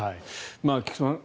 菊間さん